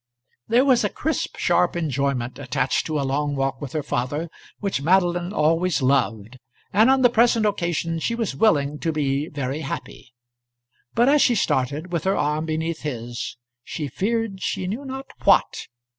There was a crisp, sharp enjoyment attached to a long walk with her father which Madeline always loved, and on the present occasion she was willing to be very happy; but as she started, with her arm beneath his, she feared she knew not what.